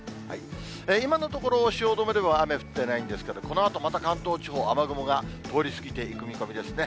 今のところ、汐留では雨降ってないんですけど、このあとまた関東地方、雨雲が通り過ぎていく見込みですね。